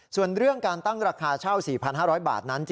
ส่วนเรื่องการตั้งราคาเช่า๔๕๐๐บาทนั้น